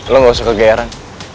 lo gak usah kegayaran